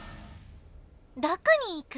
どこに行く？